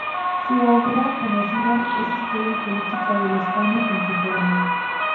Su obra más conocida es "Historia política de la España contemporánea".